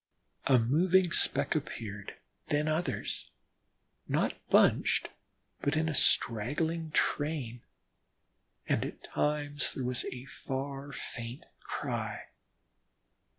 A moving speck appeared, then others, not bunched, but in a straggling train, and at times there was a far faint cry.